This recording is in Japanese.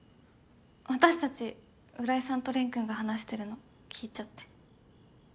私たち浦井さんと蓮君が話してるの聞いちゃって。